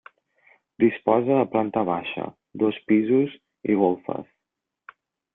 Disposa de planta baixa, dos pisos i golfes.